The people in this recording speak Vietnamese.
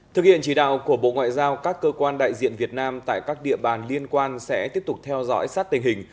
thực hiện chỉ đạo của bộ ngoại giao các cơ quan đại diện việt nam tại các địa bàn liên quan sẽ tiếp tục theo dõi sát tình hình